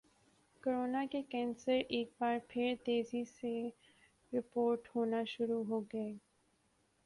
corona کے cases ایک بار پھر تیزی سے رپورٹ ہونا شروع ہوگئے